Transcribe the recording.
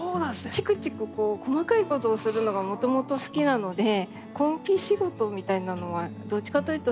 ちくちく細かいことをするのがもともと好きなので根気仕事みたいなのはどっちかというと好きで。